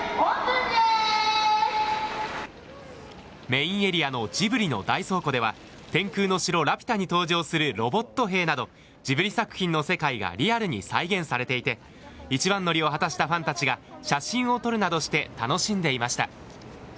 メインエリアのジブリの大倉庫では、天空の城ラピュタに登場するロボット兵など、ジブリ作品の世界がリアルに再現されていて、一番乗りを果たしたファンたちが、写真を撮るなどして楽しんでいました。